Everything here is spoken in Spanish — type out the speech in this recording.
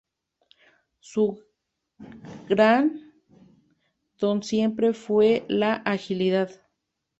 Su gran don siempre fue la agilidad.